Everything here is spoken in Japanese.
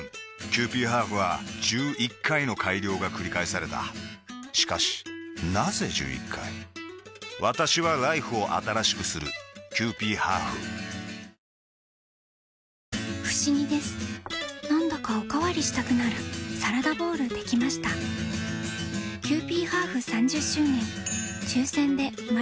キユーピーハーフは１１回の改良がくり返されたしかしなぜ１１回私はＬＩＦＥを新しくするキユーピーハーフふしぎですなんだかおかわりしたくなるサラダボウルできましたキユーピーハーフ３０周年